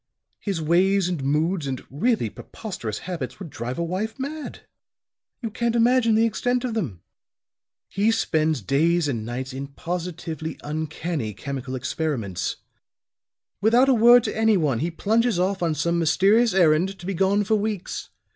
His ways and moods and really preposterous habits would drive a wife mad. You can't imagine the extent of them. He spends days and nights in positively uncanny chemical experiments. Without a word to anyone he plunges off on some mysterious errand, to be gone for weeks.